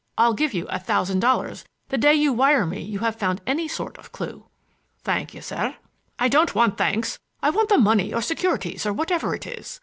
I'll give you a thousand dollars the day you wire me you have found any sort of clue." "Thank you, sir." "I don't want thanks, I want the money or securities or whatever it is.